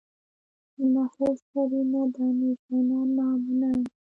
نه هوش لري نه دانش او نه نام و ننګ.